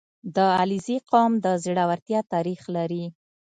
• د علیزي قوم خلک د زړورتیا تاریخ لري.